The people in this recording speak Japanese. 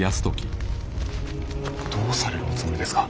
どうされるおつもりですか。